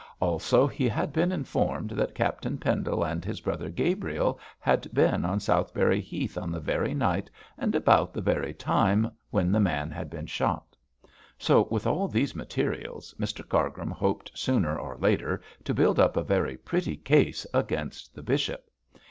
Also he had been informed that Captain Pendle and his brother Gabriel had been on Southberry Heath on the very night, and about the very time, when the man had been shot; so, with all these materials, Mr Cargrim hoped sooner or later to build up a very pretty case against the bishop.